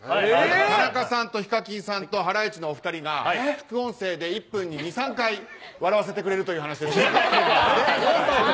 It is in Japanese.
田中さんとＨＩＫＡＫＩＮさんとハライチのお二人が副音声で１分に２３回笑わせてくれると。